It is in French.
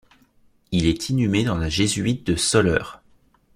Il est inhumé dans la jésuite de Soleure.